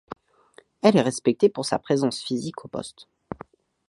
Elle est respectée pour sa présence physique au poste.